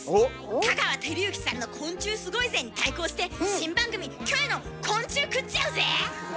香川照之さんの「昆虫すごいぜ！」に対抗して新番組「キョエの昆虫食っちゃうぜ！」。